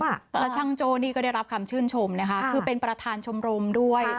แล้วช่างโจ้นี่ก็ได้รับคำชื่นชมนะคะคือเป็นประธานชมรมด้วย